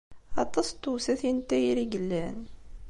Aṭas n tewsatin n tayri i yellan.